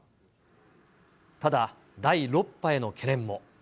ただ、第６波への懸念も。